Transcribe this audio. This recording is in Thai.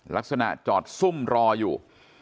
ลักษณะจอดซุ่มรออยู่